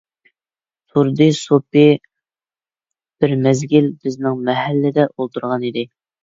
تۇردى سوپى بىر مەزگىل بىزنىڭ مەھەللىدە ئولتۇرغانىدى.